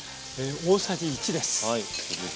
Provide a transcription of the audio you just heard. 大さじ１です。